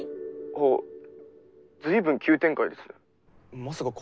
あっ随分急展開ですね